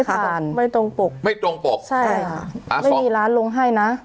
ทานไม่ตรงปกไม่ตรงปกใช่ค่ะอ่าไม่มีร้านลงให้นะ